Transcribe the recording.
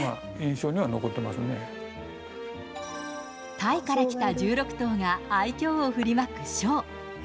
タイから来た１６頭が愛きょうを振りまくショー。